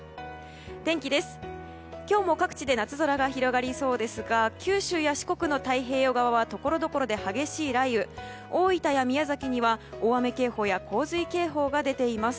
天気です、今日も各地で夏空が広がりそうですが九州や四国の太平洋側ではところどころで激しい雷雨、大分や宮崎には大雨警報や洪水警報が出ています。